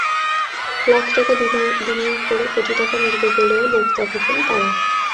লাখ টাকা বিনিয়োগ করে কোটি টাকা মিলবে বলেও লোভ দেখাতেন তাঁরা।